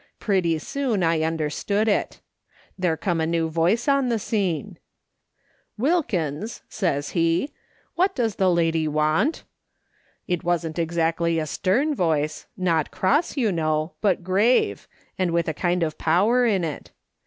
Pretty soon I understood it. There come a new voice on the scene :' Wilkins/ says he, ' what does the lady want V It wasn't exactly a stern voice, not cross, you know, but grave, and with a kind of power in it.